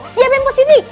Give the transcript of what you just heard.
siapa yang positif